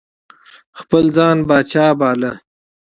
خپل ځان پاچا باله.